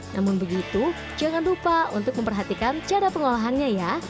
namun begitu jangan lupa untuk memperhatikan cara pengolahannya ya